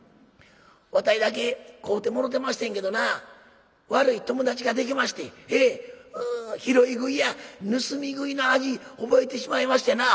わたいだけ飼うてもろてましてんけどな悪い友達ができまして拾い食いや盗み食いの味覚えてしまいましてな」。